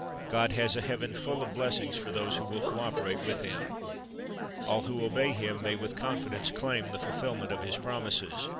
God has a heaven full of blessings for those who will co operate with Him. All who obey Him may with confidence claim the fulfilment of His promises.